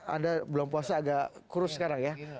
anda belum puasa agak kurus sekarang ya